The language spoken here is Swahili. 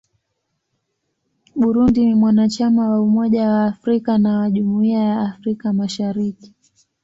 Burundi ni mwanachama wa Umoja wa Afrika na wa Jumuiya ya Afrika Mashariki.